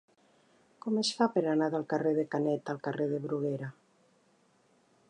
Com es fa per anar del carrer de Canet al carrer de Bruguera?